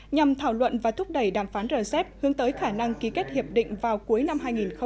nhằm thảo luận và thúc đẩy đàm phán rcep hướng tới khả năng ký kết hiệp định vào cuối năm hai nghìn hai mươi